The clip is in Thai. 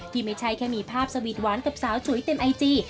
ไม่ใช่แค่มีภาพสวีทหวานกับสาวจุ๋ยเต็มไอจี